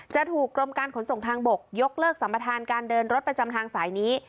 จะถูกกรมการขนส่งทางบกยกเลิกสัมประธานการเดินรถประจำทางสายนี้